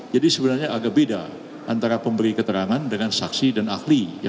jadi sebenarnya agak beda antara pemberi keterangan dengan saksi dan ahli